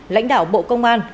lãnh đạo bộ công an